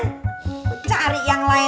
gue cari yang lain